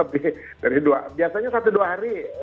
biasanya satu dua hari